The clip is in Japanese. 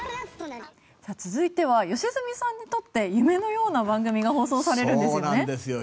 続いては良純さんにとって夢のような番組が放送されるんですよね。